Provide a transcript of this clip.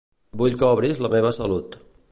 Vull que obris La Meva Salut.